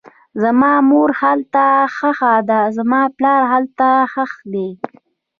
زما مور هلته ښخه ده, زما پلار هلته ښخ دی